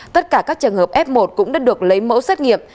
tất cả các trường hợp f một cũng đã được lấy mẫu xét nghiệm